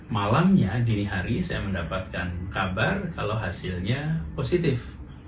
malamnya dini hari saya mendapatkan kabar kalau hasilnya positif